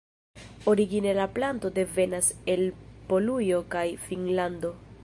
Origine la planto devenas el Polujo kaj Finnlando.